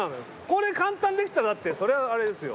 これ簡単にできたらだってそりゃあれですよ